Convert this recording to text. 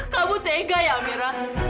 kamu tega ya amira